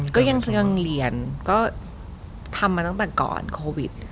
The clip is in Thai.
ก็ยังเรียนก็ทำมาตั้งแต่ก่อนโควิด